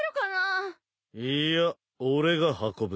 ・いいや俺が運ぶ。